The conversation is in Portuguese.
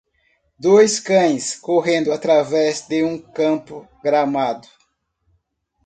Dois cães correndo através de um campo gramado.